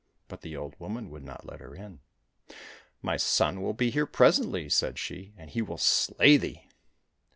But the old woman would not let her in. " My son will be here presently," said she, " and he will slay thee."